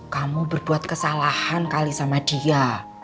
kamu berbuat kesalahan kali sama dia